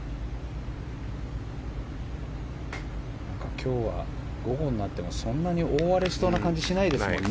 今日は午後になってもそんなに大荒れしそうな感じがしないですもんね。